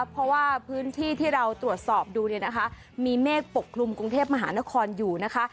เพราะว่าพื้นที่ที่เราตรวจสอบดูเนี่ยนะคะมีเมฆปกคลุมกรุงเทพมหานครอยู่นะคะ